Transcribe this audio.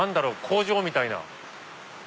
工場みたいな。